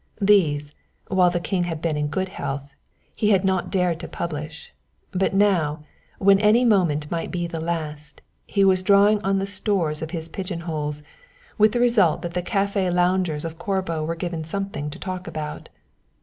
These, while the king had been in good health, he had not dared to publish; but now, when any moment might be the last, he was drawing on the stores of his pigeon holes, with the result that the café loungers of Corbo were given something to talk about.